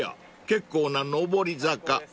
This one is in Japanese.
結構な上り坂］